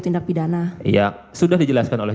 tindak pidana ya sudah dijelaskan oleh